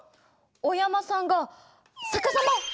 お山さんが逆さま！